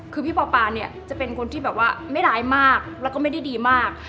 คือพี่ปอปาเนี่ยจะเป็นคนที่แบบว่าไม่ร้ายมากแล้วก็ไม่ได้ดีมาก